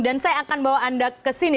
dan saya akan bawa anda kesini